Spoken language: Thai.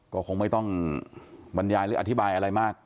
ก็คงไม่ต้องบรรยายหรืออธิบายอะไรมาก